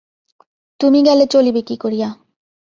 তুমি গেলে চলিবে কী করিয়া।